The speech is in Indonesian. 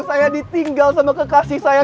saya ditinggal sama kekasih saya